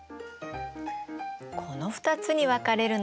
この２つに分かれるの。